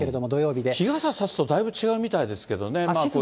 日傘差すとだいぶ違うみたいですからね。